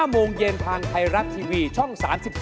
โมงเย็นทางไทยรัฐทีวีช่อง๓๒